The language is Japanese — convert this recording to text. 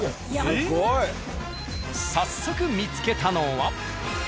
早速見つけたのは？